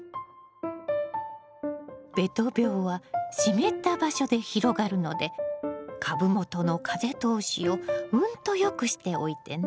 べと病は湿った場所で広がるので株元の風通しをうんと良くしておいてね。